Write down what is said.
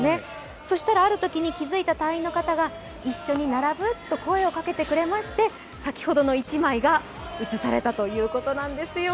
そしたらあるときに、気付いた隊員の方が「一緒に並ぶ？」と声をかけてくれて先ほどの一枚が写されたということなんですよ。